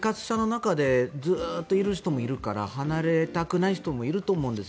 ずっといる人もいるから離れたくない人もいると思うんです。